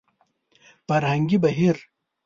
فرهنګي بهير